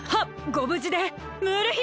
ごぶじでムール姫！